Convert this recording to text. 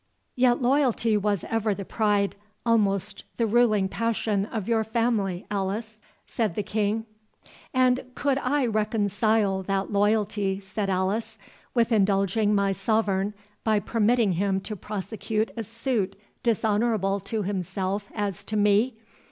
"Yet loyalty was ever the pride, almost the ruling passion, of your family, Alice," said the King. "And could I reconcile that loyalty," said Alice, "with indulging my sovereign, by permitting him to prosecute a suit dishonourable to himself as to me?